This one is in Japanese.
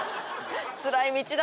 つらい道だ